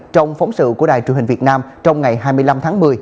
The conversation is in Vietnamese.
trong phóng sự của đài truyền hình việt nam trong ngày hai mươi năm tháng một mươi